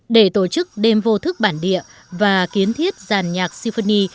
để tổ chức đêm vô thức bản địa và kiến thiết giàn nhạc symphony